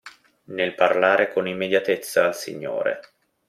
Nel parlare con immediatezza al Signore.